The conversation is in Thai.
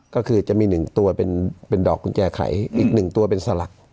ก็คือจะมี๑ตัวเป็นดอกกุญแจไขอีก๑ตัวเป็นสลัก